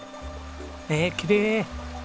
ねえきれい。